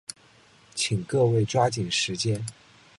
请各位抓紧时间。